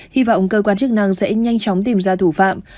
hy vọng cơ quan chức năng sẽ nhanh chóng tìm ra thủ phạm